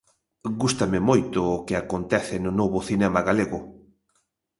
Gústame moito o que acontece no novo cinema galego.